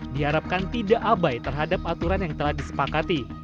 diharapkan tidak abai terhadap aturan yang telah disepakati